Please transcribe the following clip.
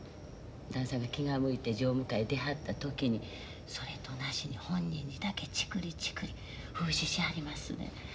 旦さんが気が向いて常務会出はった時にそれとなしに本人にだけちくりちくり風刺しはりますねん。